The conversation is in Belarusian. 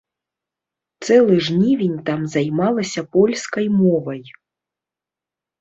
Цэлы жнівень там займалася польскай мовай.